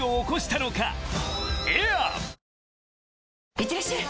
いってらっしゃい！